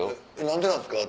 「何でなんですか？」